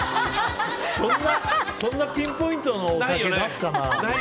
そんなピンポイントのお酒出すかな？